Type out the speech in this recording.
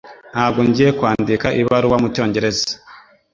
Ntabwo ngiye kwandika ibaruwa mucyongereza.